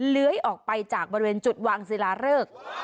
เลื้อยออกไปจากบริเวณจุดวางศิลาเริก